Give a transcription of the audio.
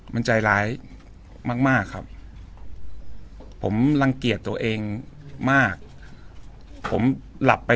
มันใจร้ายมากครับผมรังเกียจตัวเองมากผมหลับไป